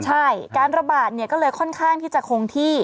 ใช่การระบาดเนี่ยก็เลยค่อนข้างที่จะคงที่